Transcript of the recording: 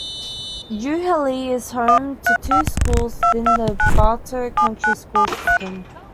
Euharlee is home to two schools within the Bartow County school system.